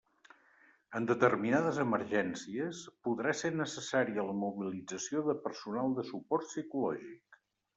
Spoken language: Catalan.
En determinades emergències, podrà ser necessària la mobilització de personal de suport psicològic.